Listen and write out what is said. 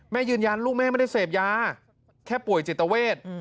ยืนยันลูกแม่ไม่ได้เสพยาแค่ป่วยจิตเวท